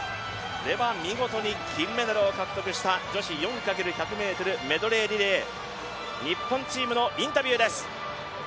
見事に金メダルを獲得した女子４×１００ｍメドレーリレー日本チームのインタビューです。